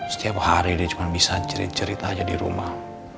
setiap hari dia cuma bisa cerita aja di rumah